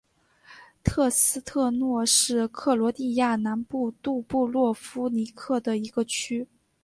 特斯特诺是克罗地亚南部杜布罗夫尼克的一个区。